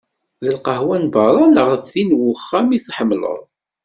D lqahwa n berra neɣ d tin n uxxam i tḥemmleḍ?